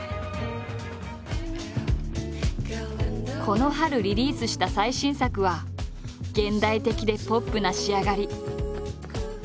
この春リリースした最新作は現代的でポップな仕上がり。